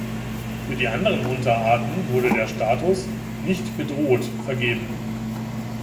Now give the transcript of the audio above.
Für die anderen Unterarten wurde der Status "nicht bedroht" vergeben.